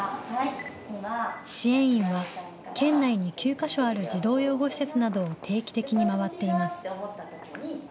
支援員は、県内に９か所ある児童養護施設などを定期的に回っています。